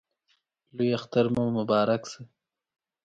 لوی اختر مو مبارک شه